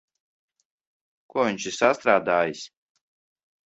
Ko viņš ir sastrādājis?